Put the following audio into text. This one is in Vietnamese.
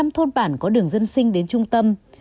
một trăm linh thôn bản có đường dân sinh đến trung tâm